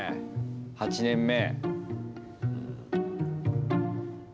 ８年目。